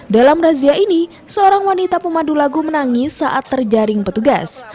dalam razia ini seorang wanita pemandu lagu menangis saat terjaring petugas